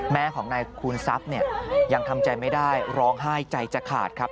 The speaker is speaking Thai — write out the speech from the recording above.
แม่ของนายคูณทรัพย์เนี่ยยังทำใจไม่ได้ร้องไห้ใจจะขาดครับ